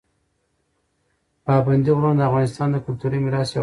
پابندي غرونه د افغانستان د کلتوري میراث یوه برخه ده.